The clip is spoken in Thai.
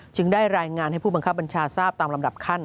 ได้รายงานให้ผู้บังคับบัญชาทราบตามลำดับขั้น